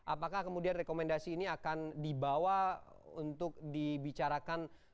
apakah kemudian rekomendasi ini akan dibawa untuk dibicarakan